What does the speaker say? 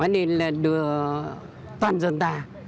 nên là đưa toàn dân ta